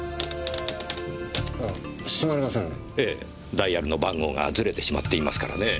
ダイヤルの番号がズレてしまっていますからね。